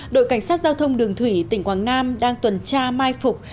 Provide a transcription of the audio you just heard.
đội cảnh sát giao thông đường thủy tỉnh quảng nam đang tuần tra mai phục